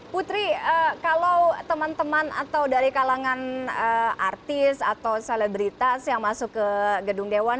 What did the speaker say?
putri kalau teman teman atau dari kalangan artis atau selebritas yang masuk ke gedung dewan